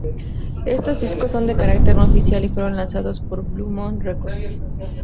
Estos discos son de carácter no oficial y fueron lanzados por Blue Moon Records.